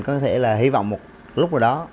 có thể là hy vọng một lúc nào đó